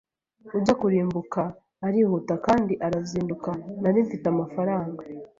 ujya kurimbuka arihuta kandi arazinduka, nari mfite amafaranga